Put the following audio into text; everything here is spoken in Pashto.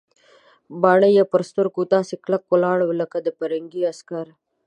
باڼه یې پر سترګو داسې کلک ولاړ ول لکه د پرنګي عسکر.